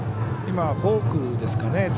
今はフォークですかね。